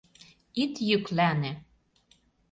Ит йӱклане.